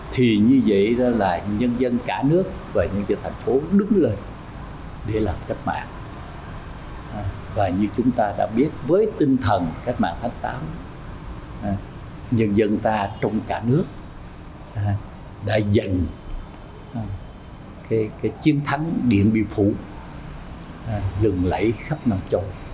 tinh thần cách mạng thánh tám nhân dân ta trong cả nước đã giành chiến thắng điện biên phủ gần lẫy khắp nam châu